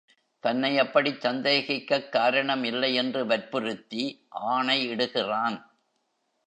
தன்னை அப்படிச் சந்தேகிக்கக் காரணம் இல்லை என்று வற்புறுத்தி ஆணை இடுகிறான்.